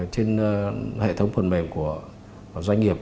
trên hệ thống phần mềm của doanh nghiệp